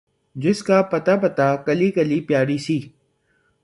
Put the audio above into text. جس کا پتا پتا، کلی کلی پیاری سی